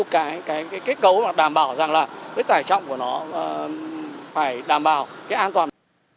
cái kết cấu đảm bảo rằng là cái tài trọng của nó phải đảm bảo cái an toàn